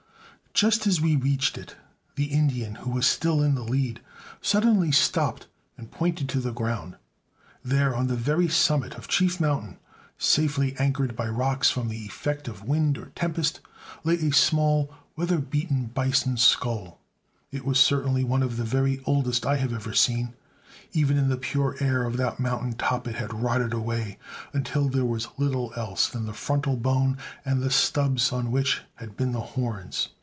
Just as we reached it, the Indian, who was still in the lead, suddenly stopped and pointed to the ground. There, on the very summit of Chief Mountain, safely anchored by rocks from the effect of wind or tempest, lay a small, weather beaten bison skull. It was certainly one of the very oldest I have ever seen. Even in the pure air of that mountain top it had rotted away until there was little else than the frontal bone and the stubs on which had been the horns.